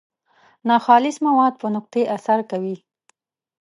ناخالص مواد پر نقطې اثر کوي.